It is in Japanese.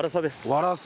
ワラサ。